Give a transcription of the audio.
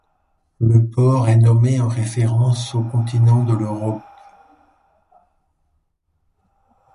Le port est nommé en référence au continent de l'Europe.